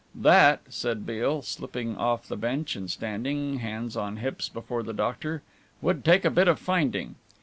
"That," said Beale, slipping off the bench and standing, hands on hips, before the doctor, "would take a bit of finding.